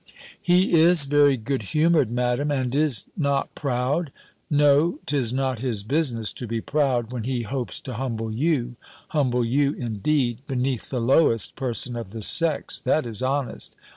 "He is very good humoured, Madam, and is not proud." "No, 'tis not his business to be proud, when he hopes to humble you humble you, indeed! beneath the lowest person of the sex, that is honest."